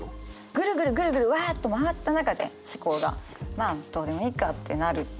ぐるぐるぐるぐるわあっと回った中で思考がまあどうでもいいかってなるっていう。